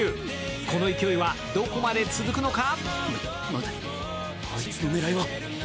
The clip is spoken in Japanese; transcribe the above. この勢いはどこまで続くのか。